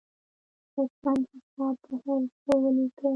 لطفا حساب په حروفو ولیکی!